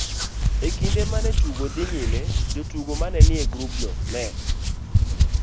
e kinde ma ne tugo dhi nyime, jotugo ma ne ni e grubno ne